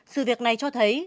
sự việc này cho thấy